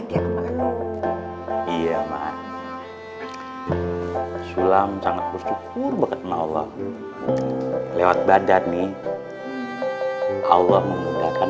iya maaf sulam sangat bersyukur banget mawa lewat badan nih allah mengudahkan